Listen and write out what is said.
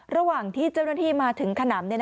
ระหว่างที่เจ้าหน้าที่มาถึงขนำ